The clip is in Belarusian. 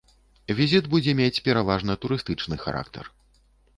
Візіт будзе мець пераважна турыстычны характар.